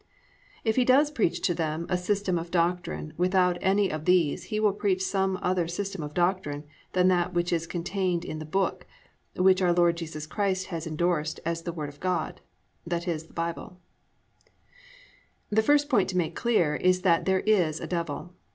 If he does preach to them a system of doctrine without any of these he will preach some other system of doctrine than that which is contained in the book, which our Lord Jesus Christ has endorsed as the Word of God, i.e., the Bible. I. THERE IS A DEVIL The first point to make clear is that there is a Devil.